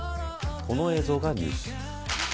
この映像がニュース。